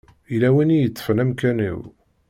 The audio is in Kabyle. Yella win i yeṭṭfen amkan-iw.